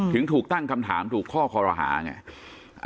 ถึงถูกตั้งคำถามถูกข้อคอรหาไง